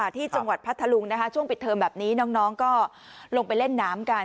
ที่จังหวัดพัทธลุงช่วงปิดเทอมแบบนี้น้องก็ลงไปเล่นน้ำกัน